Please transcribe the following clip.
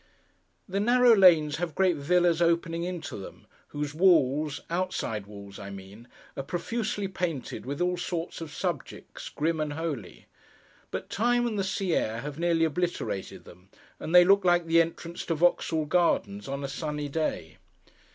The narrow lanes have great villas opening into them, whose walls (outside walls, I mean) are profusely painted with all sorts of subjects, grim and holy. But time and the sea air have nearly obliterated them; and they look like the entrance to Vauxhall Gardens on a sunny day.